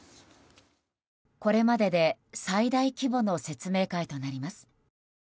これまでで最大規模の説明会となります。